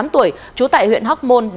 một mươi tám tuổi trú tại huyện hóc môn